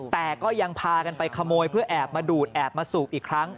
แต่ก็ยังพากันไปขโมยเพื่อแอบมาดูดแอบมาสูบอีกครั้ง